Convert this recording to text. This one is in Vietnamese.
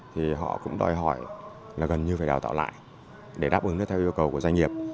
thì họ cũng đòi hỏi là gần như phải đào tạo lại để đáp ứng theo yêu cầu của doanh nghiệp